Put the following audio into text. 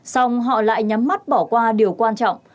xong họ lại nhắm mắt bỏ qua điều quan trọng